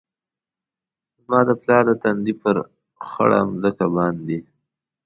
زما د پلار د تندي ، پر خړه مځکه باندي